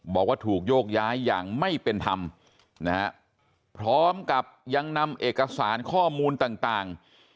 บอกว่าถูกโยกย้ายอย่างไม่เป็นธรรมนะฮะพร้อมกับยังนำเอกสารข้อมูลต่าง